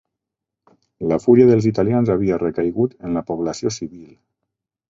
La fúria dels italians havia recaigut en la població civil